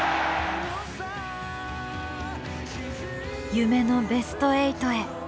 夢のベスト８へ。